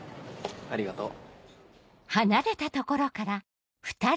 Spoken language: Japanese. ありがとう。